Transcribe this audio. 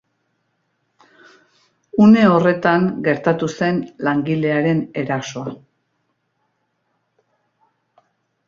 Une horretan gertatu zen langilearen erasoa.